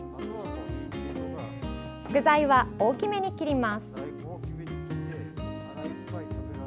具材は大きめに切ります。